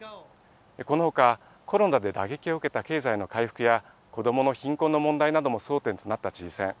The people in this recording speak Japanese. このほか、コロナで打撃を受けた経済の回復や、子どもの貧困の問題なども争点となった知事選。